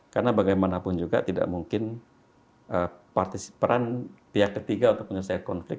karena bagaimanapun juga tidak mungkin peran pihak ketiga untuk menyelesaikan konflik